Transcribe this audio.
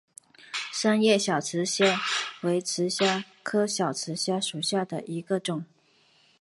三叶小瓷蟹为瓷蟹科小瓷蟹属下的一个种。